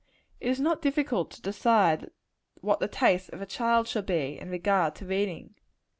It is not difficult to decide what the tastes of a child shall be, in regard to reading.